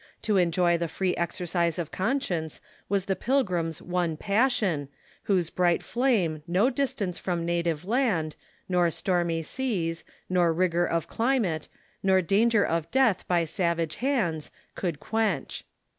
To enjoy the free exercise of conscience was the Pilgrim's one passion, whose bright flame no The Religious fijgjance from native land, nor stormy seas, nor Impulse . T r T 1 1 rio or of climate, nor danger of death by savage hands, could quench.